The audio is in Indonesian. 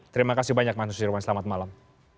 terima kasih banyak mas nusirwan selamat malam